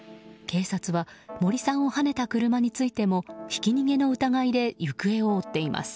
警察は森さんをはねた車についてもひき逃げの疑いで行方を追っています。